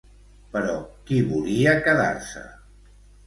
Però qui volia quedar-se?